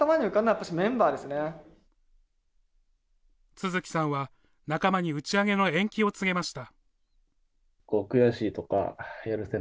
都築さんは仲間に打ち上げの延期を告げました。